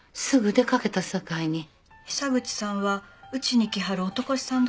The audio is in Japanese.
久口さんはうちに来はる男衆さん